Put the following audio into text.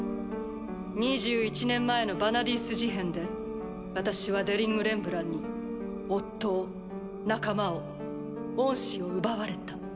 ２１年前のヴァナディース事変で私はデリング・レンブランに夫を仲間を恩師を奪われた。